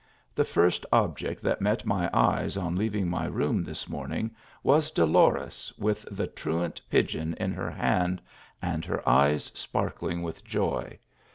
The first object that met my eyes on leaving my room .this morning 58 THE AL8AMBRA. was Dolores with the truant pigeon in her hand, and her eyes sparkling 1 with joy.